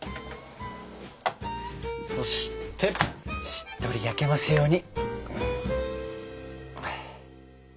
そしてしっとり焼けますように。